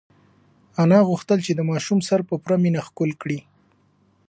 انا غوښتل چې د ماشوم سر په پوره مینه ښکل کړي.